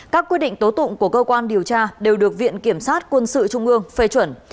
các quyết định tố tụng của cơ quan điều tra đều được viện kiểm sát quân sự trung ương phê chuẩn